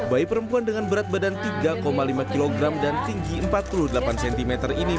bayi perempuan dengan berat badan tiga lima kg dan tinggi empat puluh delapan cm ini